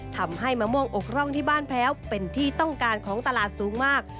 ทำให้มะม่วงอกร่องที่บ้านแพ้วเป็นที่ต้องการของตลาดสูงมาก